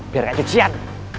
biar gak cucian